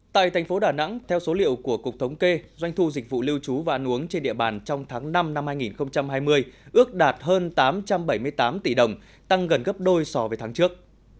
tại thành phố đà nẵng theo số liệu của cục thống kê doanh thu dịch vụ lưu trú và nuống trên địa bàn trong tháng năm năm hai nghìn hai mươi ước đạt hơn tám trăm bảy mươi tám tỷ đồng tăng gần gấp đôi so với tháng trước